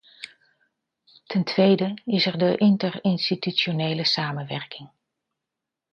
Ten tweede is er de interinstitutionele samenwerking.